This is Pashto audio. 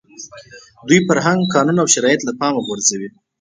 دوی فرهنګ، قانون او شرایط له پامه غورځوي.